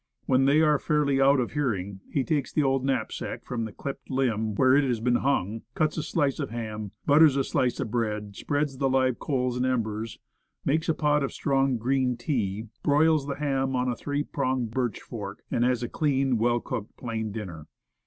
When they are fairly out of hearing, he takes the old knapsack from the clipped limb where it has been hung, cuts a slice of ham, butters a slice of bread, spreads the live coals and embers, makes a pot of strong green tea, broils the ham on a three pronged birch fork, and has a clean, well cooked, plain dinner.